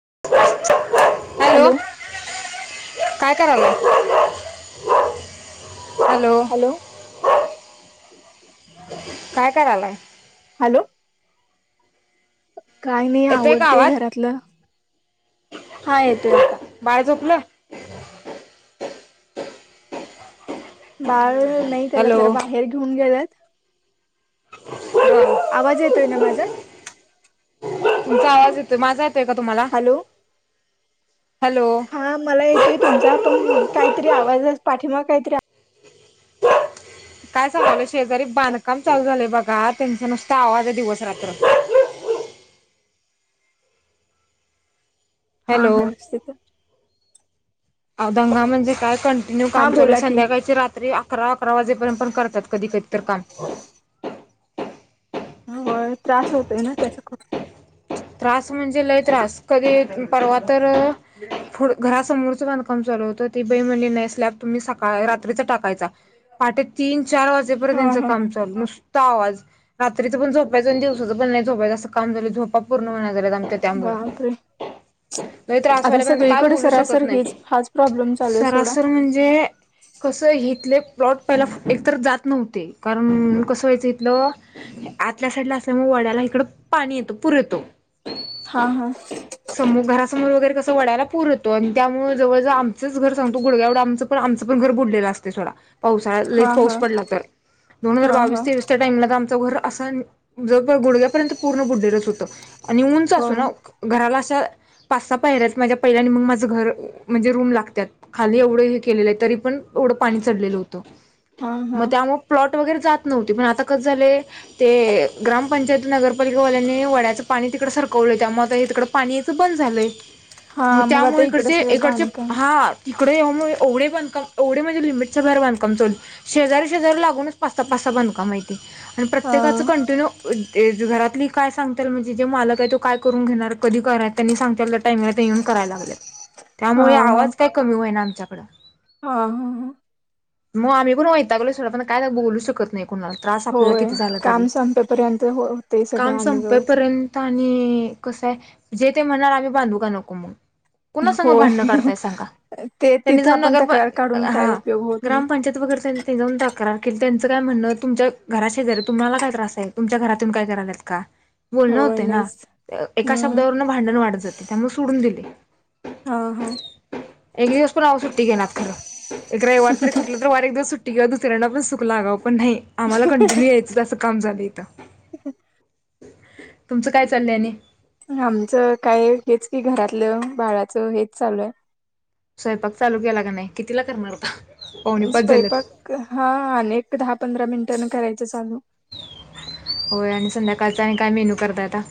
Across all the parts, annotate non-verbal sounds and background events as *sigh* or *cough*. *inaudible* Hello. काय करा ला हॅलो. काय करालाय. हॅलो. काय नाही येतोय का आवाज आवरतेय घरातलं. हा येतोय आता. बाळ *unintelligible* बाळ नाही त्याला जरा हॅलो बाहेर घेऊन गेलेत *inaudible* आवाज येतोय ना माझा. तुमचा आवाज येतोय माझा येतोय का तुम्हाला हॅलो हॅलो हा मला येतोय तुमचा पण काहीतरी आवाज पाठीमाग काहीतरी आ काय सांगलं शेजारी बांधकाम चालू झालंय बघा त्यांच नुसत आवाज आहे दिवस रात्र *unintelligible* हा हॅलो हा रस्ते तर. अ औदंगा म्हणजे काय कंटिन्यू हा काम चालू बोला की संध्याकाळची रात्री अकरा वाजे पर्यंत पण करतात कधी कधी तर काम. हो त्रास होतय ना त्याचा खूप. त्रास म्हणजे लय त्रास कधी परवा तर घरासमोरच बांधकाम च काम चालू होतं ती बाई म्हणे ने स्लॅप तुम्ही सकाळी रात्रीचा टाकायचा पहाटे तीन चार वाजेपर्यंत हा त्यांच हा काम चालू नुसता आवाज रात्रीच पण झोपायचं आणि दिवसाचं पण नाही झोपायच असं काम झालं झोपा पूर्ण व्हायल झा आमच्या त्यामुळ बापरे लई त्रास आता व्हायलय पण काय सगळीकडे बोलू सरासर शकत हेच नाही हाच प्रॉब्लेम चालू आहे सोडा सरासर म्हणजे कसं हिथले लॉट पहिला एकत जात नव्हते कारण कसं व्हायचं इथलं आतल्या साईडला अस ड इकड पाणी येतर येत हा हा समो घरासमोर वगैरे कसं वा वड्याला पूर होतो आणि त्यामुळेळ जवळजव आमचं घर सगतो गुड्यावढं आमचण आमचंणर बडलेलं असते सोडा. हा पावसाच पाऊ हा पडला तर दोन हजार हा हा बावीस तेवीस टाइमला तर आमच घर असा ज गुडग्यापर्यंत पूर्ण बुडढच होतं आणि उंच हो असू ना घराला अस पाच सहा पायऱ्या आहेत मग माझे घर लागते खाली एवढा हे केलेल आहे तरी ते पण ओढ पाणी चढलेलं होतं हा हा मग त्यामुळ प्लॉट वगैरे जात नव्ह पण आता कस झाले ते ग्रामपंचायती नगरपालिका वाल्याने वड्याचं. पाणी तिकड सरकवलंय त्यामुळे आ हे तिकड पाणी याचं बंद झालंय. हा मग आता त्यामुळे इकडे इकडचे सगळे इकडचे बांधकाम हा तिकडे ये मुळे एवढ बांधकाम एवढ म्हजे लिमिटच्या बाहेर बांधकाम शेजार शेजार लागूनच पाच सहा पाच सहा बांधकाम ये आणि हा प्रत्येकाचं कंटिन्यू घरातली काय सांगतील म जे मालक आहे तो काय करून घेणार कधी कराय त्यांनी सांगत्याल त्या टाइमिंगला येऊन करायला लागलेत. हा त्यामुळे हा आवाज काय कमी होय ना आमच्याकडं हा हां हां. मग आम्ही पण वैताग्लोय सोड पण काय बोलू शकत नाही त्रास आपल्याला होय किती झाला तरी काम संपेपर्यंत हो होते सगळं आणि व्यवस्थित संपेपर्यंत आणि कस आहे जे ते म्हणणार आम्ही बांधू का नको मग कुणासंघ होय भांडण काढताय सांगा ते त्यांनी तिथं जाऊर आपण नगर तक्रार काढून काय परिषद उपयोग होत नाही ग्रामपंचाय अगर त त हो द करा क *inaudible* त्यांचं काय म्हणणं तुमच्या घरात शेजारी् तुम्हाला काय त्रास आहे तुमच्या घरातून काय देणार आहेत का बोलणं होय होत ना नाहीच एका हम्म शब्दावरून भांडण वाढत जाते त्यामुळे सोडून दिले ह एक दिवस पण आव सुट्टी घेणार खर रविवार तरी कुठलं तर वार एक दिवस सुट्टीे दुसऱ्यांना पण सुख लागवं पण नाही आम्हाला कंटिन्यू यायचं असं काम झालं इथं *inaudible* तुमचं काय चाललंय आणि आमचं काय हेच की घरातलं बाळाचं हेच चालू आहे स्वयंपाक चालू केला का नाही कितीला करणार होता स्वयंपाक हा अनेक दहा पंधरा मिनिट करायचं चालू होय आणि संध्याकाळच आणि काय मेनू करत आता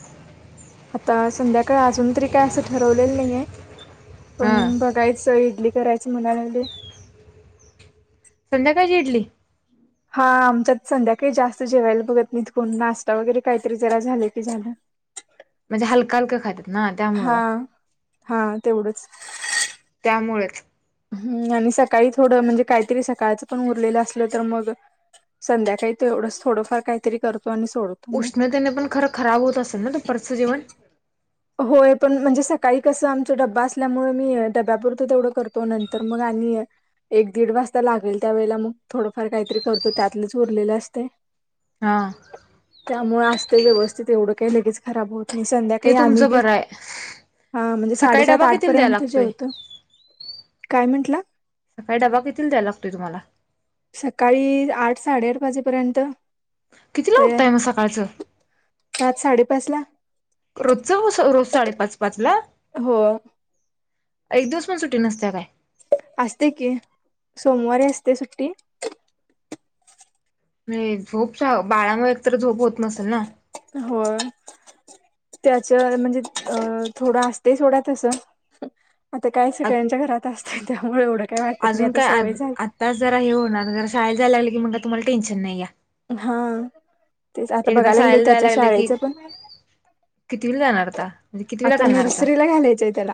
आता संध्याकाळी अजून तरी काय असं ठरवलेलं नाही आहे पण हा बघायच इडली करायच म्हणालागली संध्याकाळची इडली हा आमच्यात संध्याकाळी जास्त जेवायला बघत मी तकून नाश्ता वगैरे काहीतरी जरा झालं की झालं म्हणजे हलका हलका खात हा हा तेवढंच त्यामुळेच हम्म आणि सकाळी थोडं म्हणजे काहीतरी सकाळच पण उरलेलं असलं तर मग संध्याकाळी एवढंच थोडंफार काहीतरी करत उष्णतेने पण खरं खराब होत असेल ना दुपारचं जेवन होय पण म्हणजे सकाळी कसं आमचा डबा असल्यामुळे मी डब्यापरत तेवढं करतो नंतर मग आणि एक दीड वाजता लागेल त्यावेेळेला मग थोडंफार काहीतरी करतो त्यातलेच उरलेलं असते हा त्यामुळे अस ते व्यवस्थित एवढं काही लगेच खराब होत नाही ते संध्याकाळी आम्ही तुमचं बरं आहे ह म्हणजे साडे सकाळी सात डबा आठ कितीला द्यायला पर्यंत लागतोय होत काय सकाळी डबा किती दयला लागतोय तुम्हाला सकाळी आठ साडेआठ वाजेपर्यंत कितीला तयार उठताय मग सकाळचं पाचला रोज च रोज साडेपाच पाच ला हो एक दिवस सुटी नसते काय असते की सोमवारी असते सुट्टी नाही झोपच्या बाळामुळे एकत झोप होत नसेल ना त्याच्या म्हणजे थोडं असते सोडा तसं आता काय सगळ्यांच्या घरात असते त्यामुळे एवढं काही वाटत नाही अजून आता काय सवय झाली आत्ताच जरा हे होणार ज शाळेत जायला लागलं की म्हण तुम्हाला टेन्शन नाही या हा तेच आता एकदा बघायला लागले शाळेला त्याच्या जायला की शाळेच पण कितवीला जाणार आता म्हणजे कितवीला आता नर्सरीला घालायचं आहे त्याला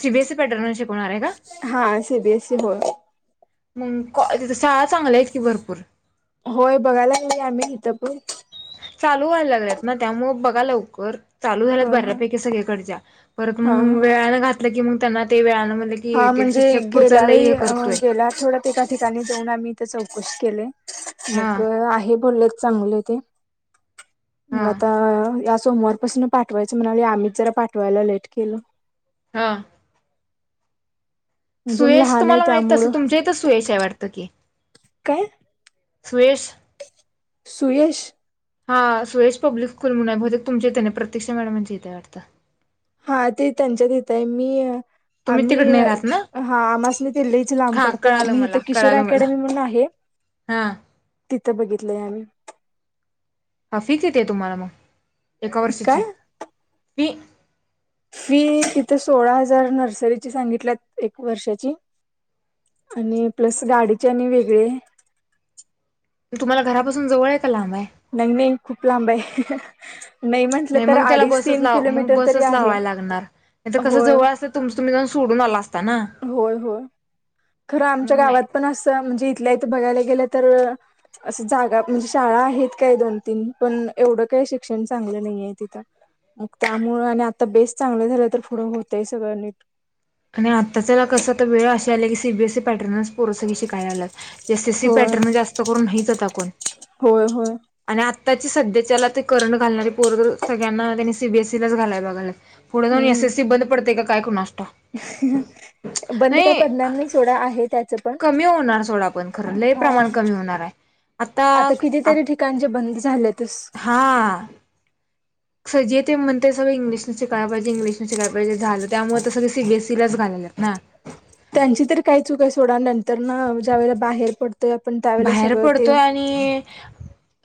सिबीएसी प्याटर्न हा सीबीएसई हो मग कॉ तिथ शाळा चांगल्या आहेत की भरपूर होय बघायला ह आम्ही इथं पण चालू व्हायला लागल्यात ना त्यामुळ बघा लवकर चालू झालंत हा हा बऱ्यापैकी सगळीकडच्या परत हा मग हा वेळानं घातलं की मग त्यांना ते वेळाानं हा म्हणजे गेल्या वेळी गेल्या थोड्यात एका ठिकाणी जाऊन आम्ही इथे चौकशी केले मग हा आहे बोलले चांगले ते हा मग आता सोमवारपासून पाठवायचं म्हणाले आम्हीच जरा पाठवायला लेट केल हा अजून सुयश लहान आहे तुम्हाला माहित असल त्यामुळं तुमच्या इथं सुयश आहे वाटत की काय स््वेष सुयश हा सुरेश पब्लिक स्कूल म्हणून आहे बहुतेक तुमच्या इथं नाही ते प्रतीक्षा मॅडमांच्या इथं आहे वाढतं हा ते त्यांच्या तिथं आहे मी तुम्ही तिकडे आम्ही नाही राहत ना हा आम्हासनी ते लईच लांब हा पडतय कळालं आम्ही मला इथे किशोर कळालं मला अकॅडमी म्हणून आहे हा तिथं बघितलंय आम्ही हा फी किती आहे तुम्हाला मग एका वर्षाची काय फी फी तिथं सोळा हजार नर्सरीची सांगितल्या आणि प्लस गाडीचे आणि वेगळे तुम्हाला घरापासून जवळ आहे का लांब आहे नाही नाही खूप लांब आहे नाही म्हटलं तर मग त्याला अडीच बसच तीन लावाय मग किलोमीटर तरी बसच आहे लावाय लागणार नाहीतर कस होय जवळ असत तर तुमचं तुम्ही जाऊन सोडून सोडून आला असता ना होय होय खरं आमच्या मग गावात नाही पण असं म्हणजे इथल्या इथ बघायला गेलं तर अस जागा म्हणजे शाळा आहेत काय दोन तीन पण एवढं काय शिक्षण चांगलं नाहीय तिथं मग त्यामुळे आणि आता बेस चांगलं झालं तर पुढं होतय सगळं नीट आणि आताच्याला कस तर वेळ अशी आल्या की सीबीएसई पॅटर्नस पोरं सगळी शिकायला लागल्यात एस एस एसी होय पॅटर्न जास्त करून नाहीच आता कोण होय होय आणि आत्ताची सध्याच्याला ते करंट घालणारी पोर सगळ्यांना त्यांनी सीबीएसई लाच घालाय बघाल्यात पुढे जाऊन एस हम्म एस सी काय बंद पडतय का काय कोणास ठाऊक बंद काय नाही पडणार नाही सोडा आहे त्याच्यात कमी होणार सोडा पण खरं लय हा... प्रमाण कमी होणार आहे आता किती आप तरी ठिकाणची बंदच हा अस जे ते म्हणतय सगळं इंग्लिश तेन शिकाय पाहिजे इंग्लिश शिकाय पाहिजे झालं त्यामुळें सगळी सीबीएससीलाच घालल्यात ना थोड नंतर न ज्यावेळेला बाहेर पडतो बाहेर पडतोय आणि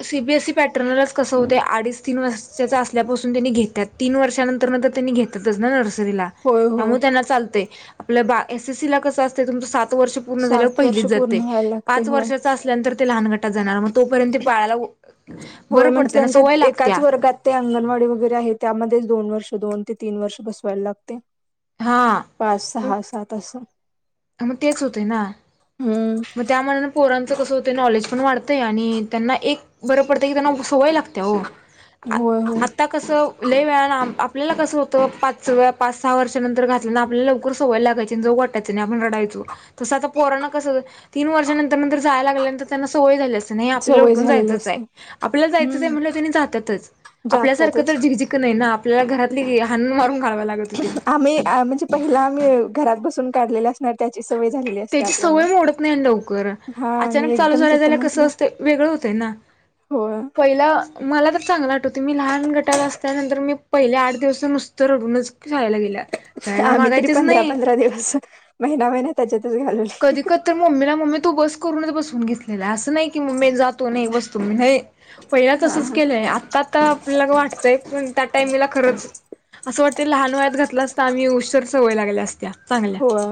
सीबीएससी पॅटर्नलाच कस होतय अडीच तीन वर्षाच असल्यापसून त्यांनी घेतात तीन वर्षानंतर त्यांनी घेत्यातच ना नर्सरी नर्सरीला होय होय त्यामुळे त्यांना चालतंय आपल्या एस एस सी ला कसं असतय तुमचं सात सात वर्ष पूर्ण झाल्यावर सात पहिलीत वर्ष पूर्ण जातय व्हायला लागते पाच होय वर्षाचं असल्यानंतर ते लहान गटात जाणार मग तोपर्यंत ते बाळाला होय बरं म्हणजे पडतं ना त्यांच्या सवय लागत्या एकाच वर्गात ते अंगणवाडी वगैरे आहे त्यामध्ये दोन वर्ष दोन ते तीन वर्ष बसवायला लागते हा पाच मग सहा सात अस मग तेच होतय ना मग त्या मानानं पोरांचं कस होतय नॉलेज पण वाढतंय आणि त्यांना एक बरं पडतं की त्यांना सवय लागत्या हो आ होय होय आता कसं लय वेळानं आपल्याला कसं होतं पाचव्या पाच सहा वर्षानंतर घातल्यान आपल्याला लवकर सवय लागायची जव जाऊ वाटायचं नाही आपण रडायचो तस आता पोरांना कसं तीन वर्षांनंतर नंतर जायला लागल्यानंतर त्यांना सवय झालेली असत्या तसं नाही आपल्याला सवय उठून झालेली जायचंच आहे असते आपल्याला जायचंच आहे हम्म म्हंटल्यावर तेनी जातातच आपल्यासारखं जातातच तर झिकझिक नाही ना आपल्याला घरातली हानून मारून घालवाय लागत होती. आम्ही म्हणजे पहिला आम्ही घरात बसून काढलेले असणार त्याचीच.... त्याची सवय मोडत नाही हो लवकर हा आणि अचानक चालू एकदम झाल्या तिथं झाल्या कसं म्हटलं असतय वेगळं होतंय ना. हो पहिला मला तर.... मला तर चांगलं आठवतंय मी लहान गटात असल्यानंतर मी पहिले आठ दिवस तर नुसत रडूनच शाळेला गेल्या. जायला आम्ही तरी मागायचेच पंधरा नाही पंधरा दिवस महिना महिना त्याच्यातच... कधीकधी तर मम्मीला मम्मी तू बस करूनच बसवून घेतलेला आहे. असं नाही की मम्मी जा तू मी बसतो. तुम्ही नाही. पहिल्याच हा असंच हा केलंय, आताता आपल्याला वाटतंय, पण त्या टाईमीला खरंच असं वाटत. ते लहान वयात घातलं असता, आम्ही उशेर सवय लागल्या असत्या. चांगल्या होय.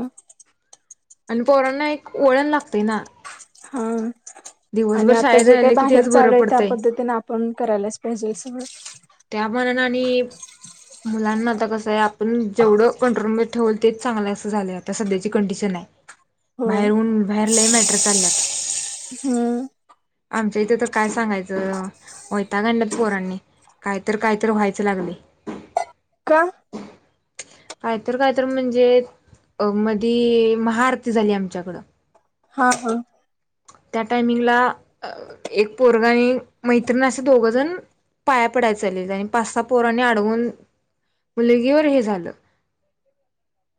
आणि पोरांना ना एक वळण लागते ना. हा. आणि दिवसभर आता शाळेत जे काही राहिलं की बाहेर तेच बरं चालू आहे, त्या पडतंय पद्धतीने आपण करायलाच पाहिजे सगळं. त्या मनान आणि मुलांना आता कसं आहे, आपण जेवढं कंट्रोल म... ठेउ तेच चांगलं अस झालं, आता सध्याची कंडिशन आहे, हो बाहेरून. बाहेर लय मॅटर चालल्यात.. हम्म आमच्या इथे तर काय सांगायचं, वैताग आणला पोरांनी. कायतर कायतर व्हायचं लागले. का. *inaudible* कायतर कायतर म्हणजे, अ मधी महाआरती झाली आमच्याकडं. हा हा. त्या टायमिंगला एक पोरगा आणि मैत्रिणी असे दोघं जण. पाया पडाय चालल आणि पाच स पोराने अडवून मुलगीवर हे झालं.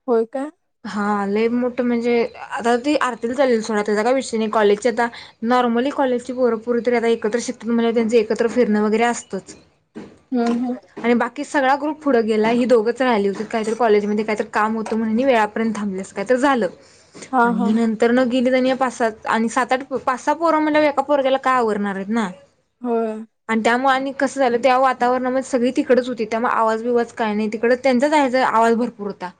होय का. हा लय मोठं म्हणजे आता ती आरती चालेल, सोडा त्याचा काय विषय नाही कॉलेजचे आता नॉर्मली. कॉलेजची पोरपुरी तरी आता एकत्र शिकतात, म्हणजे त्यांच एकत्र फिरण वगैरे असतंच. हम्म हम्म. की सगळा ग्रुप पुढ गेला ह दोघच राहिली होती, काहीतरी कॉलेमध्ये काही तर काम होत म्हणून वेळा. आणि थाबलीस का तर झाल हा हा आणि नंतरन. गेली जा पाच सात आणि सात आठ पाच स पोरा म्हतळ्यावर एका पोरग्याला काय आवरणार आहेत ना. होय आणि त्यामुळे आणि कसं झालं, त्या वातावरणामध्ये सगळी तिकडच होती, त्यामुळे आवाज बिवाज काय नाही, तिकडच त्यांनी. आवाज भरपूर होता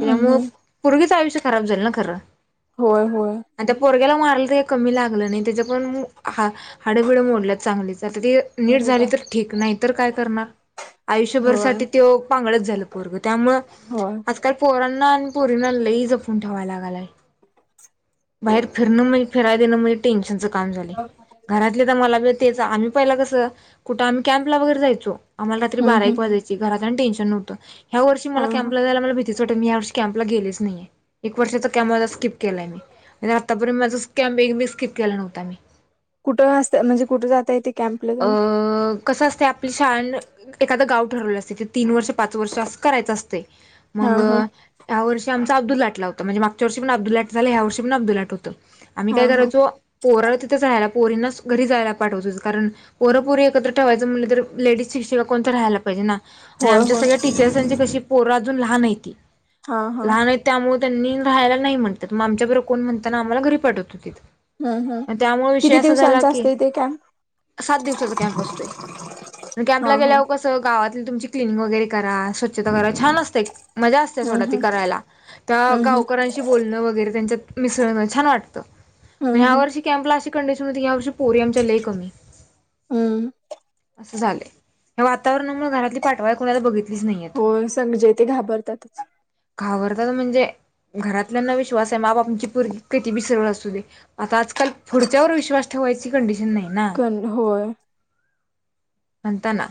हम् हम पूर्गीच आयुष्य खराब झालंल ना खरं. होय होय. मार लाग नाही त्या पण हडबिड मोडत चांगली नीट अरे झाली बाप तर ठीक नाही तर काय करणार, होय आयुष्यभरसाठी तो पांगळच झालं पोरग त्यामूळ होय आजकाल पोरांना. पोरीना लई जपून ठेवायला लागालाय. बाहेर फिरणं म्हनजे फिरायला देणं म्हणजे टेन्शनच काम झालेय. हम्म घरातले तर मला, ब तेच, आम्ही पहिला कसं कुठं आम्ही कॅम्पला वगैरे जायचो, आम्हारात्री बारा हम्म एक वाजता. घरात टेन्शन नव्हत या वर्ष हा मला हा कॅम्पला जायला भीतीच वाटे मी या वर्षी कॅपला गेलेच नाहीय. एक वर्षाचा कॅम्प स्किप केलाय, मी म्हणजे आत्तापर्यंत माझा कॅम्प स्किप केला नव्हता मी. कुठंत म्हणजे कुठे, जाता येते, कॅम्पला तुम्ही. छान एखादं गाव ठरवलं असते ते तीन वर्ष पाच वर्ष असं करायचं असते हा हा मग. वर्ष आमचा अब्दुलाटला होताणज मागच्या वष पण अबदु लाट झा ह्यार्षीण अब्दुलाट होत. आम्ही हा काय हा करायचो पोराळ तिथं राहायला. पोरीनाच घरी जायला पाठवत, कारण पोरपोरी एकत्र ठेवायचं, म्हटलं तर लेडीज शिक्षिका कोणत राहायला पाहिजे ना. आणि होय आमच्या होय सगळ्यां टीचर्सची कशी पोर अजून लहान हो हा हा लहान त्यामुळे. त्यांनी राहायला नाही म्हणतात, मगं आमच्याबरोर कोण म्हणताना, आम्हाला घरी पाठवत होतीत हम्म हम्म त्यामुळे विषय किती असा झाला, दिवसांचा की, असते ते कॅम्प सात दिवसाचा कॅम्प असतोय. हा कॅम्पला हा गेल्यावर कसं गावात. तुमची क्लिनिक वैगरे करा, स्वचछ करा छान असत, एक मजा असते हम्म सोडत. हम्म करायला‌ त्या हम्म गावकऱांशी बोलण वगैरे त्यांच्या मिसळण छान वाटतं. हम्म ह्या हम्म वर्षी कॅम्प्ला कंडिशन हो या वर्षी पोरि आमच्या लई कमी. हम्म. असं झाले या वातावरणामुळे घरातली पाठवायला कोणाला बघित हो संग जे ते घाबरतातच घाबरतात म्हणजे, घरातल्यांना विश्वास आहे माप आमची पोरगी कधी बी सरळ असू दे आता आजकाल पुढच्यावर विश्वास ठेवाय ची कंडिशन नाही ना कोण होय म्हणताना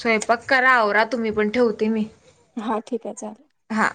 स्वयंपाक करा आवरा तुम्ही पण ठेवते मी, हा ठीक आहे चालेल, हा